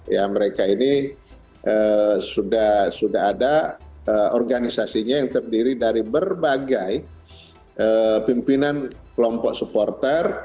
ya mereka ini sudah ada organisasinya yang terdiri dari berbagai pimpinan kelompok supporter